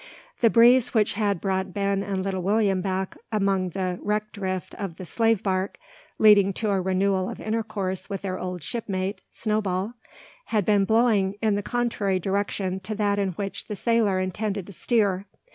The breeze which had brought Ben and little William back among the wreck drift of the slave bark, leading to a renewal of intercourse with their old shipmate, Snowball, had been blowing in the contrary direction to that in which the sailor intended to steer.